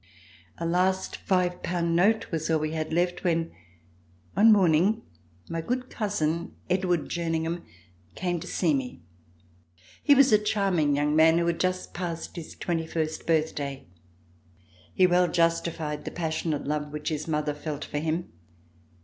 A last five pound note was all we had left, when one morning my good cousin, Edward Jerningham, came to see me. He was a charming young man who had just passed his twenty first birthday. He well justified the passionate love which his mother felt for him.